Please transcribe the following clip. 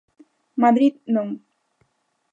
Madrid, non.